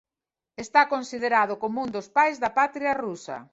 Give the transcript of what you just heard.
Está considerado como un dos pais da patria rusa.